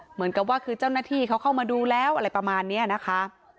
เหมือนกับว่าคือเจ้าหน้าที่เขาเข้ามาดูแล้วอะไรประมาณนี้นะคะ